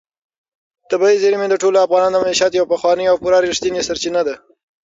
طبیعي زیرمې د ټولو افغانانو د معیشت یوه پخوانۍ او پوره رښتینې سرچینه ده.